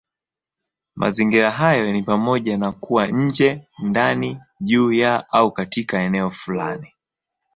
Mazingira hayo ni pamoja na kuwa nje, ndani, juu ya, au katika eneo fulani.